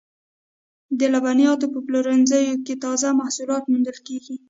د لبنیاتو په پلورنځیو کې تازه محصولات موندل کیږي.